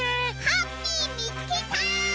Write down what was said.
ハッピーみつけた！